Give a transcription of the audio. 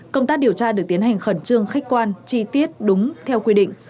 công tác điều tra được tiến hành khẩn trương khách quan chi tiết đúng theo quy định